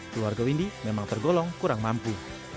keluarga windy memang tergolong kurang mampu